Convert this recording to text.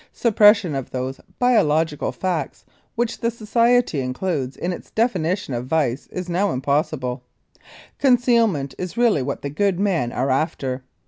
Suppression of those biological facts which the Society includes in its definition of Vice is now impossible. Concealment is really what the good men are after.